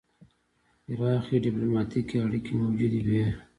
پراخې ډیپلوماتیکې اړیکې موجودې وې.